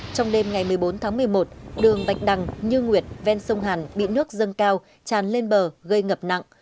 trong đêm ngày một mươi bốn tháng một mươi một đường bạch đằng như nguyệt ven sông hàn bị nước dâng cao tràn lên bờ gây ngập nặng